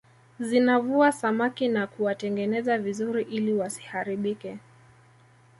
Zinavua samaki na kuwatengeneza vizuri ili wasiharibike